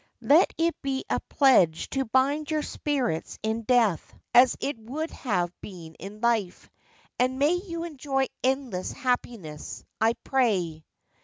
Let it be a pledge to bind your spirits in death, as it would have been in life ; and may you enjoy endless happiness, I pray.'